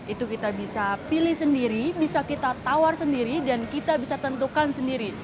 itu kita bisa pilih sendiri bisa kita tawar sendiri dan kita bisa tentukan sendiri